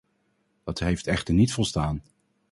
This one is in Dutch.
Dat heeft echter niet volstaan.